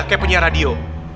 kayak penyiar radio